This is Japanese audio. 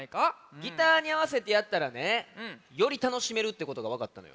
ギターにあわせてやったらねよりたのしめるってことがわかったのよ。